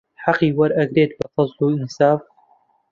حەقی وەرئەگرت بە فەزڵ و ئینساف